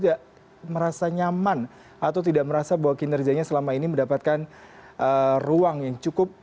tidak merasa nyaman atau tidak merasa bahwa kinerjanya selama ini mendapatkan ruang yang cukup